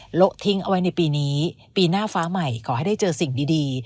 ละทิ้งเอาไว้ในปีนี้ปีหน้าฟ้าใหม่ขอให้ได้เจอสิ่งดี